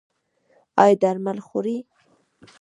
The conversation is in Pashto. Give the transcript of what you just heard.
ایا درمل خورئ؟